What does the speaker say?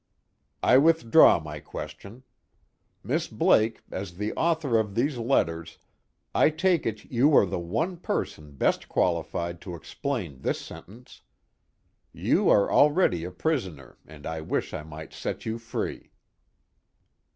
_" "I withdraw my question. Miss Blake, as the author of these letters, I take it you are the one person best qualified to explain this sentence: 'You are already a prisoner, and I wish I might set you free.'"